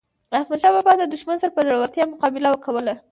احمد شاه بابا د دښمن سره په زړورتیا مقابله کوله.